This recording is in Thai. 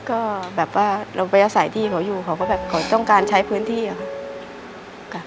ก็แบบว่าเราไปอาศัยที่เขาอยู่เขาก็แบบเขาต้องการใช้พื้นที่อะค่ะ